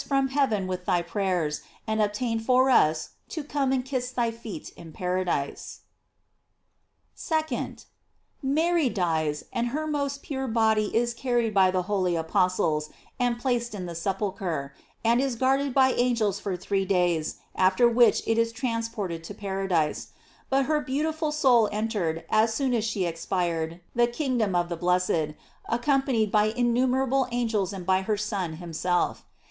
u» from heaven with thy prayers, and obtain for us to come and kiss thy feet in paradise. 2d. Mary dies, and her most pure body is carried by the holy apostles, and placed in the sepulchre, and is guarded by angels for three days, after which it is transported to paradise j hut her beautiful soul entered, as soon as she ex* pired, the kingdom of the blessed, accompanied by innumerable angels and by her Son himself.